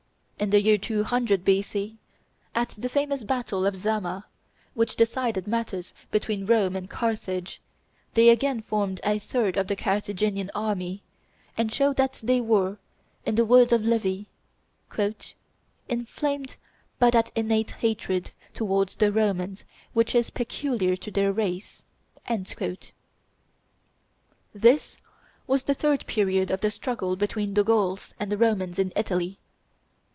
In the year 200 B.C., at the famous battle of Zama, which decided matters between Rome and Carthage, they again formed a third of the Carthaginian army, and showed that they were, in the words of Livy, "inflamed by that innate hatred towards the Romans which is peculiar to their race." This was the third period of the struggle between the Gauls and the Romans in Italy.